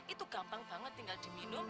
itu gampang banget tinggal diminum